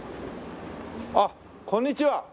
あっこんにちは。